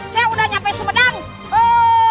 saya udah nyampe sepedang